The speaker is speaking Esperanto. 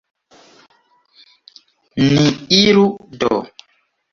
Ni iru, do.